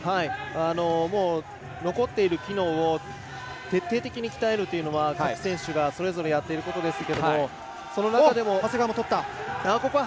もう残っている機能を徹底的に鍛えるというのは各選手がそれぞれやっていることですが。